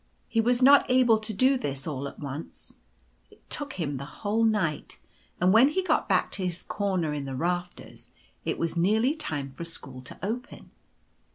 He was not able to do this all at once. It took him the whole night, and when he got back to his corner in the rafters it was nearly time for school to open.